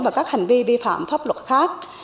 và các hành vi vi phạm pháp luật khác